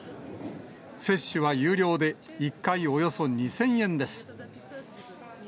接種は有料で、１回およそ２０００円です。